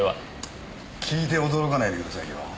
聞いて驚かないでくださいよ。